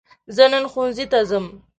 زه نن ښوونځي ته ځم.